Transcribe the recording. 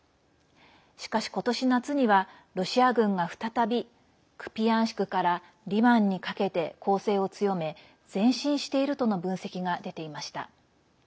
しかし、今年夏にはロシア軍が再びクピヤンシクからリマンにかけて攻勢を強め前進しているとの分析が出ていました。